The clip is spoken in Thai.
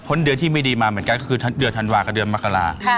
ก็พ้นเดือนที่ไม่ดีมาเหมือนกันคือเดือนธันวาค์กับเดือนมะกะลา